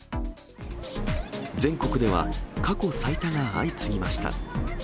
全国では過去最多が相次ぎました。